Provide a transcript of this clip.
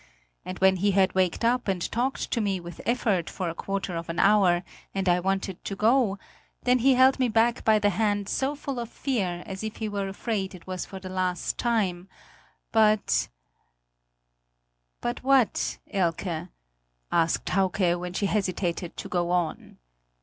And when he had waked up and talked to me with effort for a quarter of an hour, and I wanted to go, then he held me back by the hand so full of fear, as if he were afraid it was for the last time; but " "But what, Elke?" asked Hauke, when she hesitated to go on.